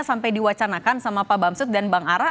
sampai diwacanakan sama pak bamsud dan bang ara